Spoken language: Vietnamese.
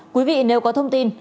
quý vị nếu có thông tin